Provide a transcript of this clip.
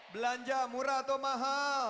belanja murah atau mahal